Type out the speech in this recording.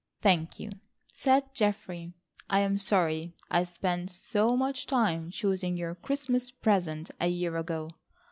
"Thank you," said Geoffrey, "I'm sorry I spent so much time choosing your Christmas present a year ago."